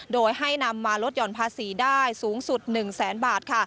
โดยให้นำมาลดหย่อนภาษีได้สูงสุด๑แสนบาท